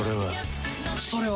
それは？